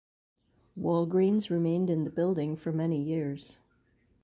Walgreens remained in the building for many years.